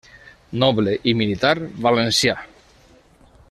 Noble i militar valencià.